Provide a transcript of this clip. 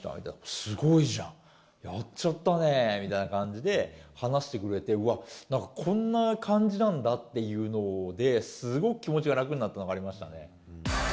すごいじゃん、やっちゃったねみたいな感じで話してくれて、うわっ、なんかこんな感じなんだっていうので、すごく気持ちが楽になったのがありましたね。